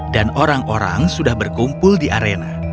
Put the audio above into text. dan orang orang sudah berkumpul di arena